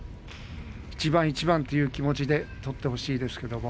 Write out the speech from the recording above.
一番一番という気持ちで取ってほしいですけど。